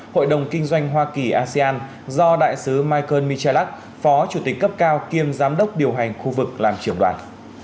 hội đồng kinh doanh hoa kỳ asean do đại sứ michael michalak phó chủ tịch cấp cao kiêm giám đốc điều hành khu vực làm trưởng đoàn